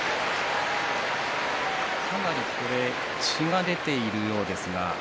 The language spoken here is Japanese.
かなり血が出ているようです。